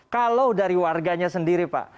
kalau dari warganya sendiri pak